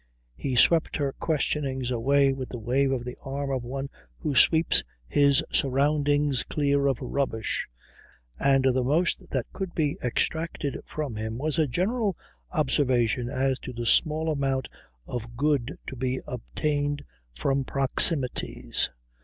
He swept her questionings away with the wave of the arm of one who sweeps his surroundings clear of rubbish, and the most that could be extracted from him was a general observation as to the small amount of good to be obtained from proximities.